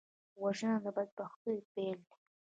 وژنه د بدبختیو پیل دی